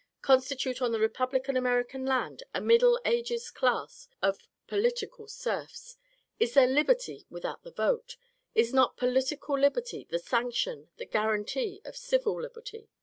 constitute on the Republican American land a middle ages class of political serfs ? Is there liberty without the vote ? Is not political liberty the sanction, the guarantee of civil liberty